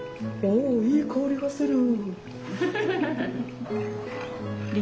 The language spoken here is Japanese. おいい香りがする。